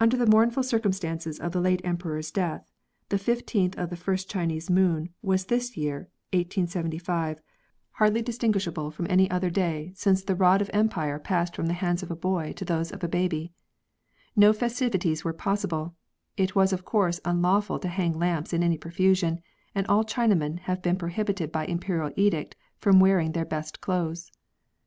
Under the mournful circumstances of the late Emperor^s death, the 15tli of the 1st Chinese moon was this year (1875) hardly distinguishable from any other day since the rod of empire passed from the THE FEAST OF LANTERNS. hands of a boy to those of a baby. No festivities were possible ; it was of course unlawful to hang lamps in any profusion, and all Chinamen have been prohibited by Imperial edict from wearing their best clothes.